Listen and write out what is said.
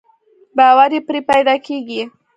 باور يې پرې پيدا کېږي.